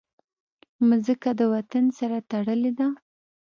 مځکه د وطن سره تړلې ده.